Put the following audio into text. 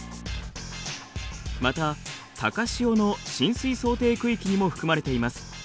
また高潮の浸水想定区域にも含まれています。